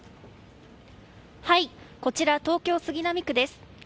こちら、東京・杉並区です。